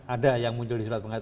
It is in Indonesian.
ada yang muncul di surat pengaturan